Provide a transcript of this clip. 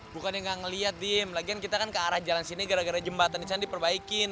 bukannya gak ngelihat dim lagian kita kan ke arah jalan sini gara gara jembatan di sana di perbaikin